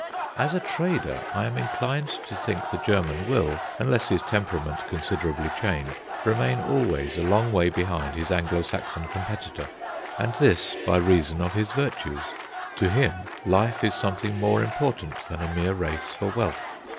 As a trader, I am inclined to think the German will, unless his temperament considerably change, remain always a long way behind his Anglo Saxon competitor; and this by reason of his virtues. To him life is something more important than a mere race for wealth.